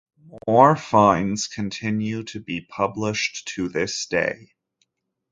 More finds continue to be published to this day.